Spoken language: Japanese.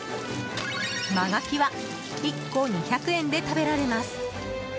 真牡蠣は１個２００円で食べられます。